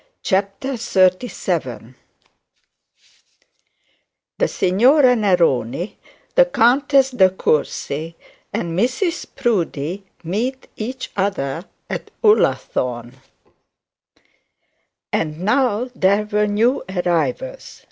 CHAPTER XXXVII THE SIGNORA NERONI, THE COUNTESS DE COURCY, AND MRS PROUDIE MEET EACH OTHER AT ULLATHORNE And now there were new arrivals.